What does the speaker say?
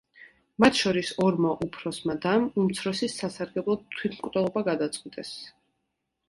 მათ შორის ორმა უფროსმა დამ, უმცროსის სასარგებლოდ თვითმკვლელობა გადაწყვიტეს.